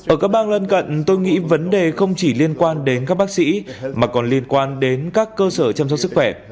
ở các bang lân cận tôi nghĩ vấn đề không chỉ liên quan đến các bác sĩ mà còn liên quan đến các cơ sở chăm sóc sức khỏe